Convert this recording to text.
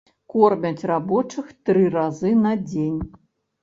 Кормяць рабочых тры разы на дзень.